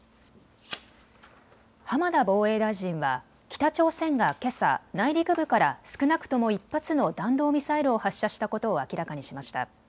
浜田防衛大臣は北朝鮮がけさ内陸部から少なくとも１発の弾道ミサイルを発射したことを明らかにしました。